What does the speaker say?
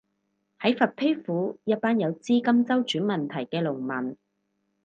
喺佛丕府，一班有資金周轉問題嘅農民